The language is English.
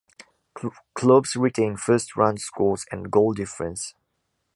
Clubs retain first round scores and goal difference.